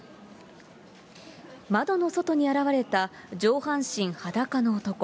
窓の外に現れた、上半身裸の男。